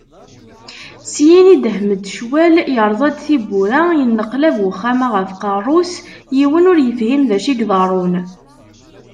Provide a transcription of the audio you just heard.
Syin yedhem-d ccwal, yerẓa-d tiwwura, yenneqlab uxxam-a ɣef uqerru-is, yiwen ur yefhim d acu i iḍerrun.